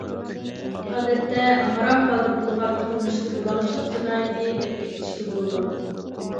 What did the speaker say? ئادەتتە، ھارام مالنى بۇلىغان قىلمىشنى بۇلاڭچىلىق جىنايىتى، دەپ بېكىتىشكە بولىدۇ.